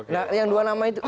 nah yang dua nama itu